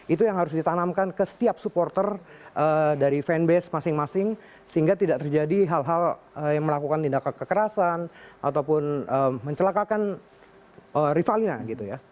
itu yang harus ditanamkan ke setiap supporter dari fanbase masing masing sehingga tidak terjadi hal hal yang melakukan tindakan kekerasan ataupun mencelakakan rivalnya gitu ya